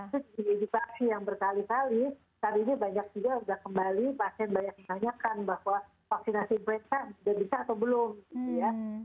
terus di edukasi yang bertali tali saat ini banyak juga sudah kembali pasien banyak ditanyakan bahwa vaksinasi influenza sudah bisa atau belum